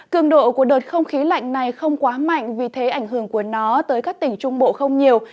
cường độ của đợt không khí lạnh này không quá mạnh vì thế ảnh hưởng của nó tới các tỉnh trung bộ không nhiều